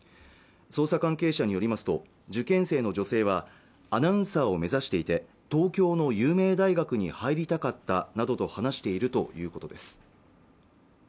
捜査関係者によりますと受験生の女性はアナウンサーを目指していて東京の有名大学に入りたかったなどと話しているということです